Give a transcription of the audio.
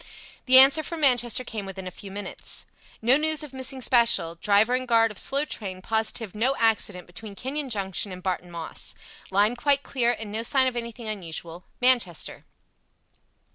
The answer from Manchester came within a few minutes. "No news of missing special. Driver and guard of slow train positive no accident between Kenyon Junction and Barton Moss. Line quite clear, and no sign of anything unusual. Manchester."